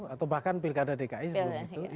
atau bahkan pilkada dki sebelum itu